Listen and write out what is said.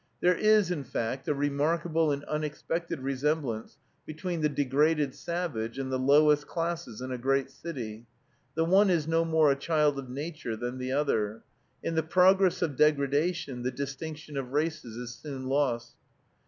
There is, in fact, a remarkable and unexpected resemblance between the degraded savage and the lowest classes in a great city. The one is no more a child of nature than the other. In the progress of degradation the distinction of races is soon lost.